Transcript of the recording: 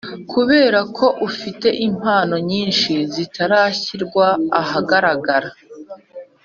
kuberako ufite impano nyinshi zitarashyirwa ahagaragara.